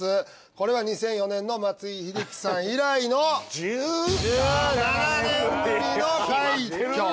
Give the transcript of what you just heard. これは２００４年の松井秀喜さん以来の１７年ぶりの快挙。